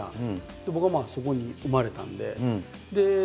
で僕はそこに生まれたんで。